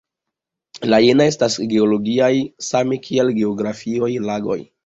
La jenaj estas geologiaj same kiel geografiaj lagoj.